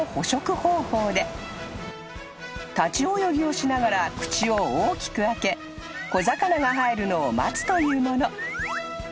［立ち泳ぎをしながら口を大きく開け小魚が入るのを待つというもの］